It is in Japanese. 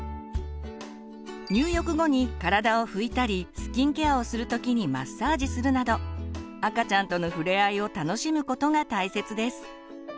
入浴後に体を拭いたりスキンケアをする時にマッサージするなど赤ちゃんとの触れ合いを楽しむことが大切です。